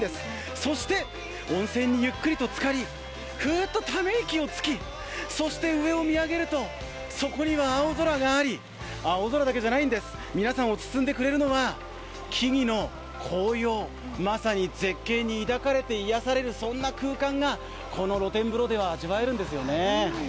そして温泉にゆっくりとつかり、クーッとため息をつき、そして上を見上げると、そこには青空があり、青空だけじゃないんです、皆さんを包んでくれるのは木々の紅葉、まさに絶景に抱かれて癒される、そんな空間がこの露天風呂では味わえるんですよね。